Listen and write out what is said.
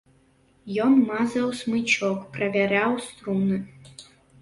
Ён мазаў смычок, правяраў струны.